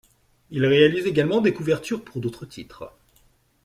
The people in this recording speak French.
Il réalise également des couvertures pour d'autres titres.